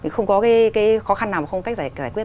không có cái khó khăn nào mà không có cách giải quyết